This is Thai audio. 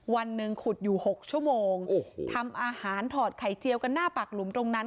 วันหนึ่งขุดอยู่หกชั่วโมงโอ้โหทำอาหารถอดไข่เจียวกันหน้าปากหลุมตรงนั้น